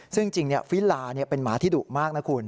ซึ่งจริงฟิลาเป็นหมาที่ดุมากนะคุณ